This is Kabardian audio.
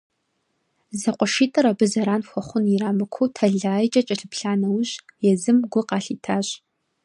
Зэкъуэшитӏыр абы зэран хуэхъун ирамыкуу тэлайкӏэ кӏэлъыплъа нэужь, езым гу къалъитащ.